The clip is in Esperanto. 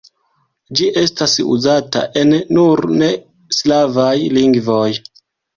Ĝi estas uzata en nur ne slavaj lingvoj.